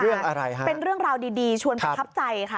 อะไรฮะเป็นเรื่องราวดีดีชวนประทับใจค่ะ